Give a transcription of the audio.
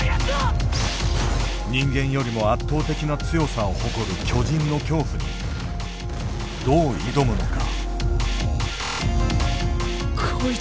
人間よりも圧倒的な強さを誇る巨人の恐怖にどう挑むのか。